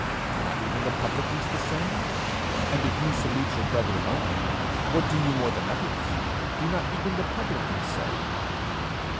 do not even the publicans the same? And if ye salute your brethren only, what do ye more than others? do not even the publicans so?